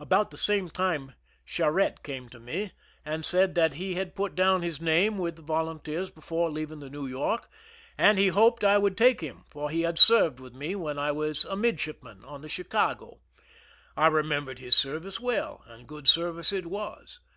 About the same time, Charette came to me and said that he had put down his name with the volun teers before leaving the New Yoi% and he hoped I would take him, for he had served with me when I was a midshipman on the Chicago, I remembered his service well, and good service it was.